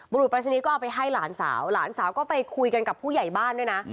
รุษปรายศนีย์ก็เอาไปให้หลานสาวหลานสาวก็ไปคุยกันกับผู้ใหญ่บ้านด้วยนะ